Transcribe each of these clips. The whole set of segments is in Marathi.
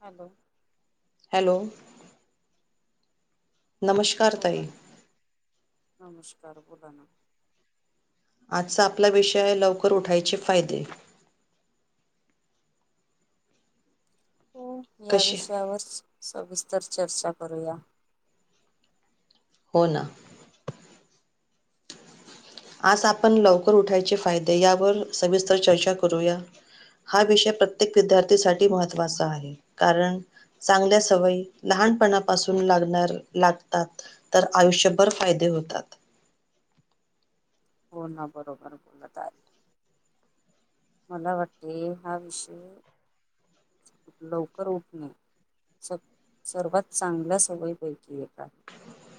हॅलो! हॅलो! नमस्कार! बोला ताई. ना नमस्कार! बोला ना. आजचा आपला विषय आहे, लवकर उठायचे फायदे. हो, या कसे विषयावर सविस्तर चर्चा करूया. हो, ना. आज आपण लवकर उठायचे फायदे यावर सविस्तर चर्चा करूया. हा विषय प्रत्येक विद्यार्थी साठी महत्वाचा आहे, कारण चांगल्या सवयी लहान लहानपणा पासून लागणार लागतात, तर आयुष्यभर फायदे होतात. हो, ना बरोबर बोलत आहे. मला वाटते, हा विषय लवकर उठणे सर्वात चांगल्या सवयीपैकी एक आहे.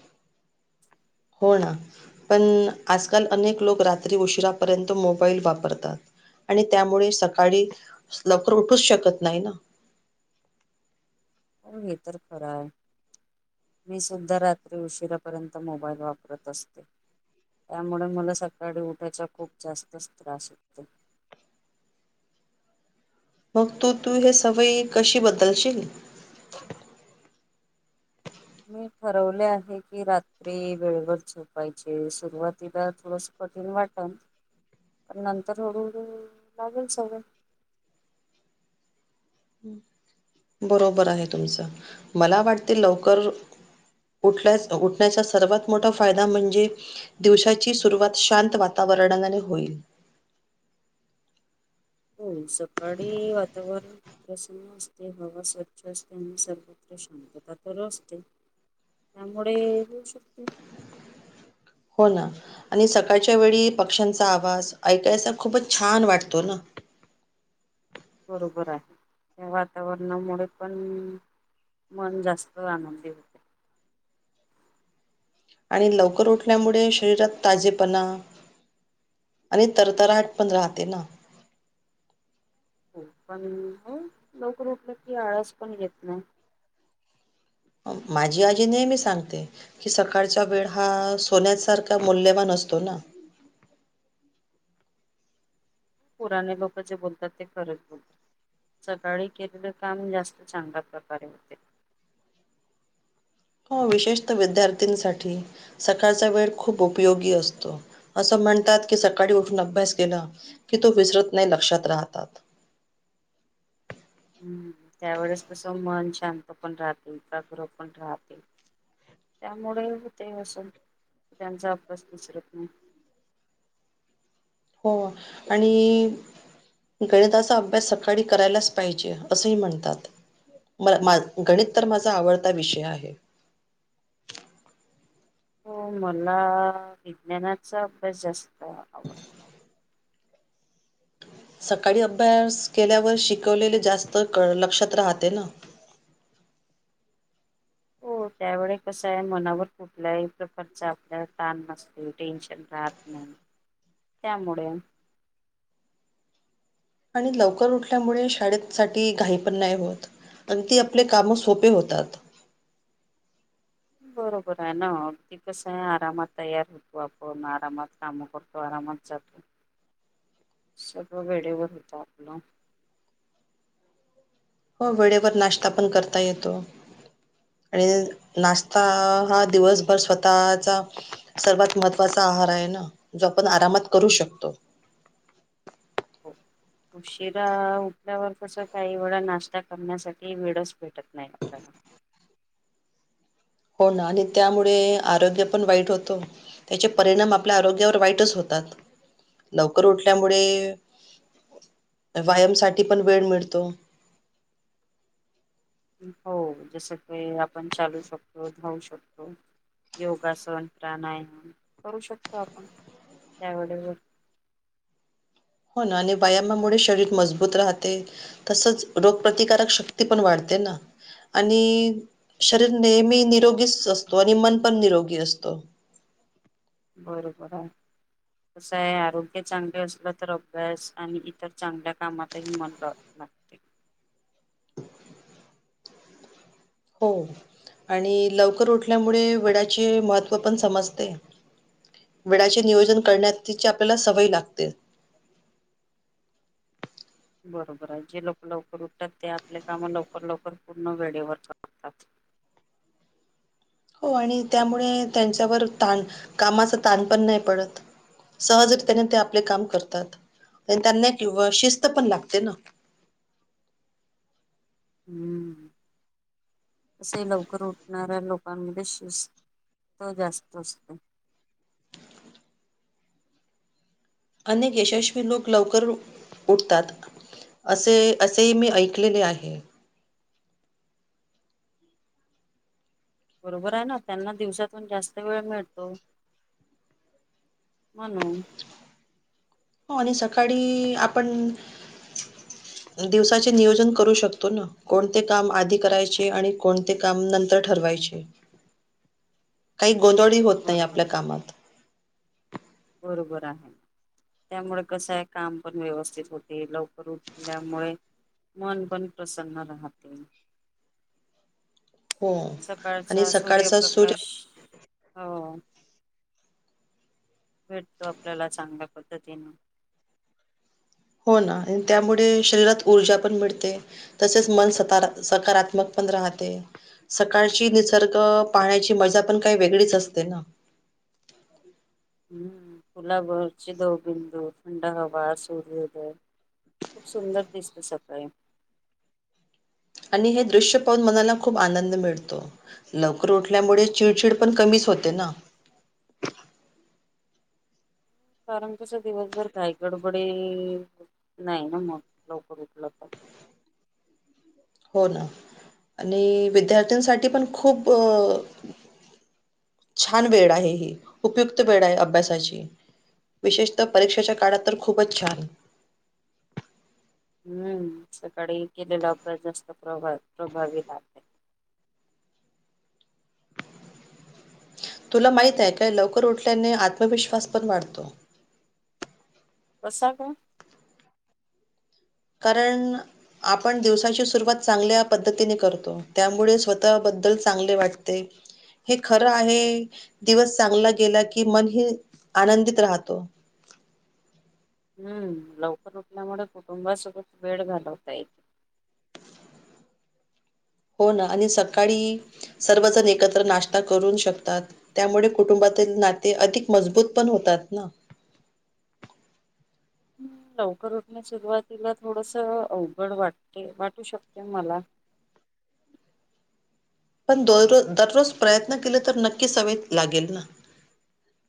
[inaudible] हो, ना पण आजकाल अनेक लोक रात्री उशिरापर्यंत मोबाईल वापरतात. आणि त्यामुळे सकाळी लवकर उठूचं शकत नाही ना. [unintelligible] हो, हे तर खरं आहे. मी सुुद्धा रात्री उशिरा पर्यंत मोबाईल वापरत असते. त्यामुळे मला सकाळी उठायचा खूप जास्तचं त्रास होतो. [unintelligible] मग तू- तू हे सवयी कशी बदलशील? मी ठरवले आहे की, रात्री वेळवर झोपायचे सुरुवातीला थोडसं कठीन वाटलं, पण नंतर हळूहळू लागेल सवयं. [unintelligible] बरोबर आहे तुमचं, मला वाटते लवकर उठल्या उठण्याचा सर्वात मोठा फायदा म्हणजे, दिवसाची सुरुवात शांत वातावरण वरणाने होईल. हो, सकाळी वातावरण प्रसन्न असते बघा स्वच्छ असते, आणि सर्वत्र शांतता तर असते. त्यामुळे होऊ शकते. हो ना, आणि सकाळच्या वेळी पक्ष्यांचा आवाज ऐकायचा खूपच छान वाटतो ना. [unintelligible] बरोबर आहे, वातावरणामुळे पण मन जास्त आनंदी होते. आणि लवकर उठल्यामुळे शरीरात ताजेपणा, आणि तरतराट पण राहते ना. हो पण, लवकर उठलं की आळस पण येत नाही. माझी आजी नेहमी सांगते, की सकाळचा वेळ हा सोन्यासारखा मूल्यवान असतो ना. पुराने लोक जे बोलतात, ते खरच बोलता. सकाळी केलेलं काम जास्त चांगल्या प्रकारे होते. [inaudible] हो विशेषत विद्यार्थीसाठी, सकाळचा वेळ खूप उपयोगी असतो, असं म्हण म्हणतात की सकाळी उठून अभ्यास केला की, तो विसरत नाही लक्षात राहतात. [inaudible] ह त्यावेेळेस तस मन शांत पण राहते, एकाग्र पण राहते. त्यामुळे होते, अस त्यांचा अभ्यास विसरत नाही. हो आणि गणिताचा अभ्यास सकाळी करायलाच पाहिजे, असंही म्हणतात. म मा गणित तर माझा आवडता विषय आहे. हो मला विज्ञानाचा अभ्यास जास्त आवडतो. [inaudible] सकाळी अभ्यास केल्यावर शिकवलेले जास्त काळ लक्षात राहते ना. [inaudible] हो त्यावेळे कसाय मनावर कुठल्याही प्रकारचा आपल्या ताण नसतील. टेन्शन राहत नाही. त्यामुळे आणि लवकर उठल्यामुळे शाळेत साठी घाई पण नाय होत. अन ते आपले कामं सोपे होतात. बरोबराय ना अगदी कसंय, आरामात तयार होतो आपण आरामात कामं करतो आ कामनचातू [unintelligible] सर्व वेळेवर होत आपलं. हो वेळेवर नाश्ता पण करता येतो. आणि नाश्ता हा दिवसभर स्वतःचा सर्वात महत्त्वाचा आहार आहे ना? जो पण आरामात करू शकतो. हो, उशिरा उठल्यावर तसं काही वेळा नाश्ता करण्यासाठी वेळच भेटत नाय आपल्याला. [unintelligible] हो ना आणि त्यामुळे आरोग्य पण वाईट होतो त्याचे परिणाम आपल्या आरोग्यावर वाईटच होत [unintelligible] लवकर उठल्यामुळे व्यायाम साठी पण वेळ मिळतो. हो जसं काही आपण चालू शकतो. धावू शकतो. योगासन, प्राणायाम करू शकतो आपण त्यावेळेवर [unintelligible] हो ना आणि व्यायामामुळे शरीर मजबूत राहते तसेच रोगप्रतिकारक शक्ती पण वाढते ना. आणि शरीर नेहमी निरोगीच असतो आणि मन पण निरोगी असतो. [inaudible] बरोबर आहे. कसाय आरोग्य चांगले असलं तर अभ्यास आणि इतर चांगल्या कामातही मन ल लागते. [inaudible] हो. आणि लवकर उठल्यामुळे वेळाचे महत्त्व पण समजते. वेळाचे नियोजन करण्यात तीची आपल्याला सवय लागते. [inaudible] बरोबर आहे जे लोक लवकर उठतात ते आपल्या काम लवकर लवकर पूर्ण वेळेवर करतात. [inaudible] हो आणि त्यामुळे त्यांच्यावर ताण कामाच ताण पण नाही पडत. सहजरित्याने ते आपले काम करतात. आणि त्यांना किंवा शिस्त पण लागते ना. हम्म. तसही लवकर उठणाऱ्या लोकांमध्ये शिस्त तो जास्त असतो. [inaudible] अनेक यशस्वी लोक लवकर उठतात. असे असेही मी ऐकलेले आहे. बरोबर आहे ना त्यांना दिवसातून जास्त वेळ मिळतो. म्हणून. हो आणि सकाळी आपण दिवसाचे नियोजन करू शकतो ना कोणते काम आधी करायचे आणि कोणते काम नंतर ठरवायचे काही गोधळही होत नाही बरोबर आपल्या कामात. बरोबर आहे त्यामुळे कसाय काम पण व्यवस्थित होते लवकर उठल्यामुळे मन पण प्रसन्न राहते. हो सकाळचा आणि सकाळचा सूर्यप्रकाश सूर्य हो. भेटतो आपल्याला चांगल्या पद्धतीने. हो ना त्यामुळे शरीरात ऊर्जा पण मिळते तसेच मन स सकारात्मक पण राहते सकाळची निसर्ग पाहण्याची मजा पण काही वेगळीच असते ना. [inaudible] हम्म. फुला वरचे दव बिंदु, थंड हवा, सूर्योदय खूप सुंदर दिसते सकाळी. आणि हे दृश्य पाहून मनाला खूप आनंद मिळतो. लवकर उठल्यामुळे चिडचिड पण कमीच होते ना. कारण कस दिवसभर घाई गडबडही नाही ना मग लवकर उठलं तर. [inaudible] हो ना आणि विद्यार्थ्यांसाठी पण खूप अ छान वेळ आहे ही उपयुक्त वेळ आहे अभ्यासाची. विशेषतः परीक्षेच्या काळात तर खूपच छान! हम्म. सकाळी केलेला अभ्यास जास्त प्रभा-प्रभावीत आहे. तुला माहित आहे काय लवकर उठल्याने आत्मविश्वास पण वाढतो. कसा ग? कारण आपण दिवसाची सुरुवात चांगल्या पद्धतीने करतो त्यामुळे स्वतःबद्दल चांगले वाटते. हे खरं आहे दिवस चांगला गेला की मन ही आनंदित राहतो. [inaudible] हम्म लवकर उठल्यामुळे कुटुंबासोबच वेळ घालवता येते. हो ना आणि सकाळी सर्वजण एकत्र नाश्ता करू शकतात त्यामुळे कुटुंबात तर नाते अधिक मजबूत पण होतात ना [inaudible] लवकर उठणं सुरुवातीला थोडस अवघड वाटते वाटू शकते मला [inaudible] पण दर दररोज प्रयत्न केल तर नक्कीच सवय लागेल ना.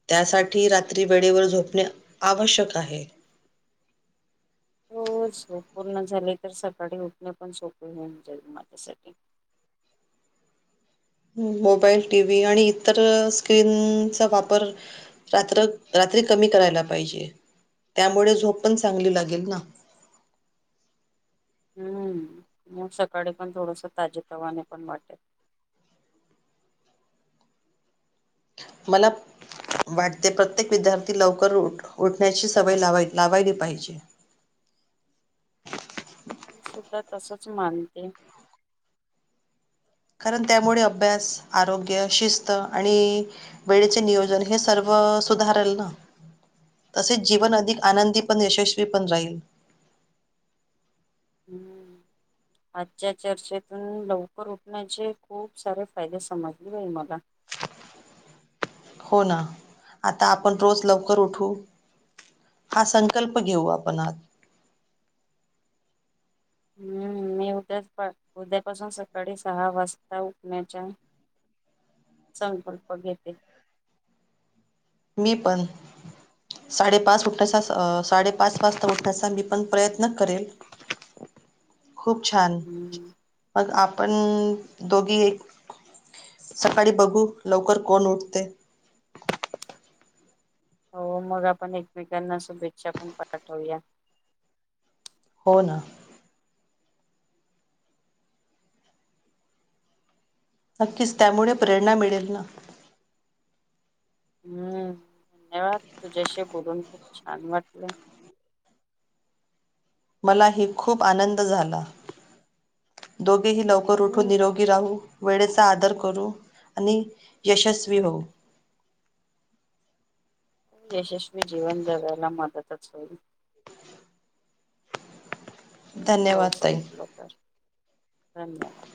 त्यासाठी रात्री वेळेवर झोपणे आवश्यक आहे. [inaudible] हो, झोप पूर्ण झाले. तर सकाळी उठणे पण सोपे होऊन जाईल माझ्यासाठी. [inaudible] मोबाईल, टीव्ही आणि इतर स्क्रीनचा वापर रात्र रात्र तरी कमी करायला पाहिजे त्यामुळे झोप पण चांगली लागेल ना? मस्त. हम्म मग सकाळी पण थोडस ताजे तवाने पण वाटेल. मला, वाटते प्रत्येक विद्यार्थी लवकर उठण्याची सवय ला लावायली पाहिजे. [unintelligible] मी सुद्धा तसच मानते. कारण त्यामुळे अभ्यास, आरोग्य, शिस्त आणि वेळेचे नियोजन हे सर्व. सुधारल ना. तसेच जीवन अधिक आनंदी पण, यशस्वी पण राहील. हम्म [inaudible] आजच्या चर्चेतून लवकर उठण्याचे खूप सारे फायदे समजले बाई मला. हो ना आता आपण रोज लवकर उठू. हा संकल्प घेऊ आपण आज. हम्म, मी उद्या उद्यापासून सकाळी सहा वाजता उठण्याच्या. संकल्प घेते. मी पण, साडेपाच उठण्याचा साडेपाच वाजता उठण्याचा मी पण प्रयत्न करेल. खूप छान हम्म मग आपण पण दोघी सकाळी बघू लवकर कोण उठते. हो, मग आपण एकमेकांना शुभेच्छा पण पाठवूया. होना. नक्कीच त्यामुळे प्रेरणा मिळेल ना. हम्म, धन्यवाद. तुझ्याशी बोलून खूप छान वाटलं. मला हे खूप आनंद झाला. दोघ मीही लवकर उठून हम्म निरोगी राहू. वेळेचा आदर करू आणि यशस्वी होऊ. [inaudible] यशस्वी जीवन जगायला मदतच होईल. धन्यवाद, लवकर ताई. उठलो तर धन्यवाद.